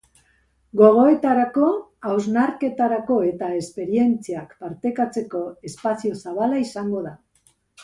Gogoetarako, hausnarketarako eta esperientziak partekatzeko espazio zabala izango da.